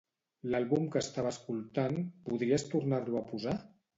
L'àlbum que estava escoltant, podries tornar-lo a posar?